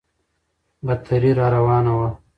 بدتري راروانه وه.